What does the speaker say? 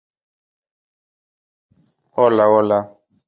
Le sucede inmediatamente como arzobispo de Gwangju el obispo coadjutor Joong.